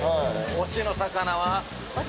推しの魚は。